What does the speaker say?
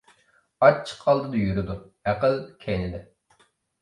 ئاچچىق ئالدىدا يۈرىدۇ، ئەقىل كەينىدە.